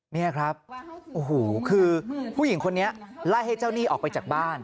นี่ครับโอ้โหคือผู้หญิงคนนี้ไล่ให้เจ้าหนี้ออกไปจากบ้าน